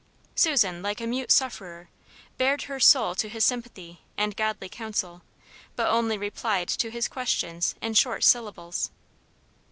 Susan, like a mute sufferer, bared her soul to his sympathy and godly counsel, but only replied to his questions in short syllables.